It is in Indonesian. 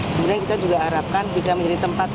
kemudian kita juga harapkan bisa menjadi tempat